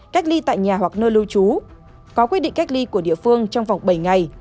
cách ly tại nhà hoặc nơi lưu trú có quyết định cách ly của địa phương trong vòng bảy ngày